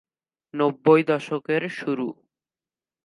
নব্বই দশকের শুরু।